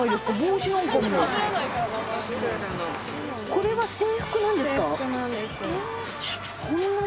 これは制服なんですか？